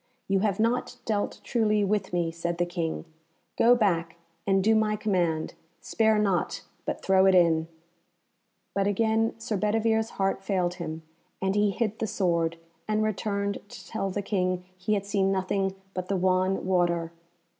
"You have not dealt truly with me," said the King. "Go back, and do my command; spare not, but throw it in." But again Sir Bedivere's heart failed him, and he hid the sword, and returned to tell the King he had seen nothing but the wan water.